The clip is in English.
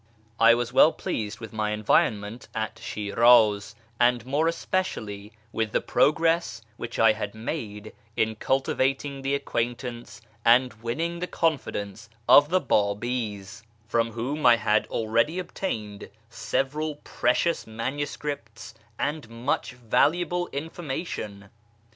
I was well pleased with my environment at Shmiz, and more especially with the progress which I had made in cultivating the acquaintance and winning the con fidence of the Babi's, from whom I had already obtained several precious manuscripts and much valuable information.